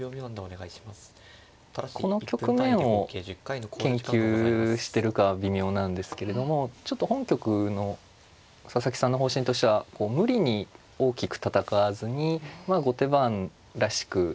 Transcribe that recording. まあこの局面を研究してるかは微妙なんですけれどもちょっと本局の佐々木さんの方針としては無理に大きく戦わずに後手番らしく。